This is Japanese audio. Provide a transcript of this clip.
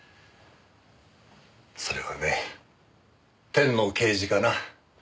それはね天の啓示かな。